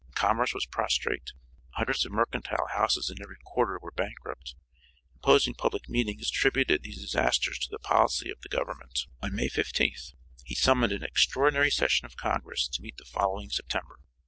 Commerce was prostrate; hundreds of mercantile houses in every quarter were bankrupt; imposing public meetings attributed these disasters to the policy of the government. On May 15th, he summoned an extraordinary session of congress to meet the following September.